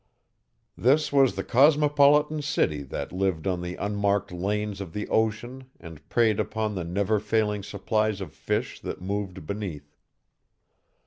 This was the cosmopolitan city that lived on the unmarked lanes of the ocean and preyed upon the never failing supplies of fish that moved beneath.